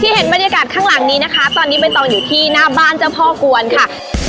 เห็นบรรยากาศข้างหลังนี้นะคะตอนนี้ใบตองอยู่ที่หน้าบ้านเจ้าพ่อกวนค่ะ